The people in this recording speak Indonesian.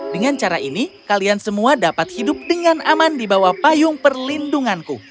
dengan cara ini kalian semua dapat hidup dengan aman di bawah payung perlindunganku